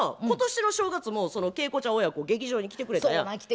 今年の正月もその景子ちゃん親子劇場に来てくれたやん。